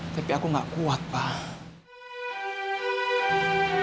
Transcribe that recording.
tapi aku gak kuat pak